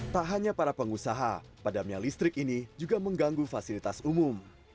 tak hanya para pengusaha padamnya listrik ini juga mengganggu fasilitas umum